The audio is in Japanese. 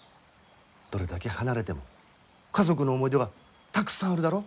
どれだけ離れても家族の思い出がたくさんあるだろ。